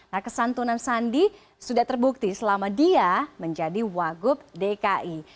nah kesantunan sandi sudah terbukti selama dia menjadi wagub dki